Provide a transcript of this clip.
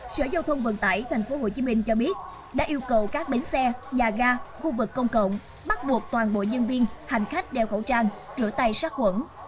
sở giao thông vận tải thành phố hồ chí minh cho biết đã yêu cầu các bến xe nhà ga khu vực công cộng bắt buộc toàn bộ nhân viên hành khách đeo khẩu trang rửa tay sát khuẩn